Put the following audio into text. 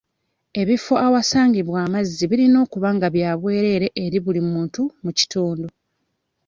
Ebifo ewasangibwa amazzi birina okuba nga bya bwerere eri buli muntu mu kitundu.